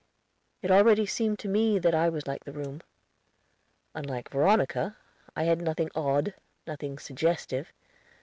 It already seemed to me that I was like the room. Unlike Veronica, I had nothing odd, nothing suggestive.